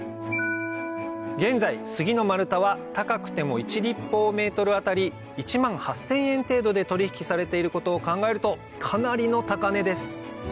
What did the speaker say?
現在スギの丸太は高くても１ｍ当たり１万８０００円程度で取引されていることを考えるとかなりの高値です